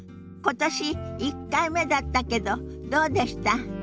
今年１回目だったけどどうでした？